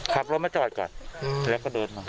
ขับรถมาจอดก่อนแล้วก็เดินมา